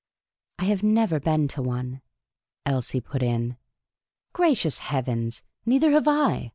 " I have never been to one," Elsie put in. " Gracious heavens, neither have I